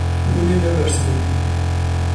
Hûn ê nebersivînin.